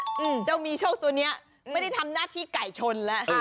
แต่ว่าเจ้ามีโชครับไม่ได้ทำหน้าที่ไก่ชนแล้ว